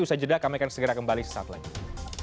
usaha jeda kami akan segera kembali setelah itu